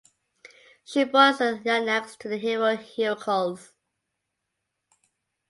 She bore Astyanax to the hero Heracles.